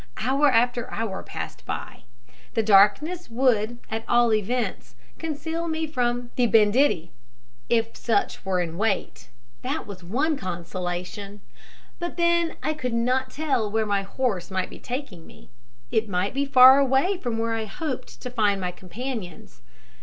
Hour after hour passed by. The darkness would, at all events, conceal me from the banditti, if such were in wait that was one consolation; but then I could not tell where my horse might be taking me. It might be far away from where I hoped to find my companions.